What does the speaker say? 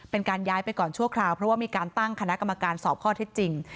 เป็นการย้ายไปก่อนชั่วคราวเพราะว่ามีการตั้งคณะกรรมการสอบข้อเท็จจริง